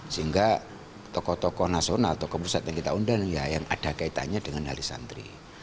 sehingga tokoh tokoh nasional tokoh pusat yang kita undang ya yang ada kaitannya dengan hari santri